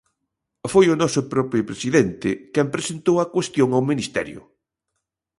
Foi o noso propio presidente quen presentou a cuestión ao ministerio.